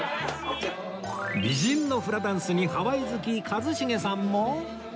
美人のフラダンスにハワイ好き一茂さんも